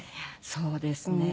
そうですね。